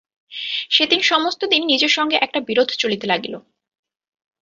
সেদিন সমস্তদিন নিজের সঙ্গে একটা বিরোধ চলিতে লাগিল।